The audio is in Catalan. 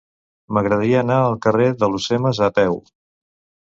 M'agradaria anar al carrer d'Alhucemas a peu.